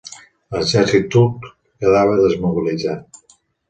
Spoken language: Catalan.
L'exèrcit turc quedava desmobilitzat.